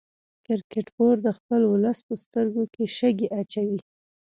کرکټ بورډ د خپل ولس په سترګو کې شګې اچوي